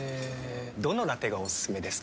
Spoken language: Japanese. どのラテがおすすめですか？